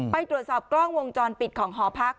ไปตรวจสอบกล้องวงจรปิดของหอพัก